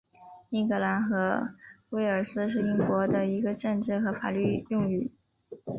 英格兰和威尔斯是英国的一个政治和法律用语。